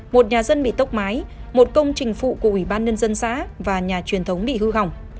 một nhà dân bị tốc mái một công trình phụ của ủy ban nhân dân xã và nhà truyền thống bị hư hỏng